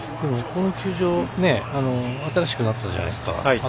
この球場新しくなったじゃないですか。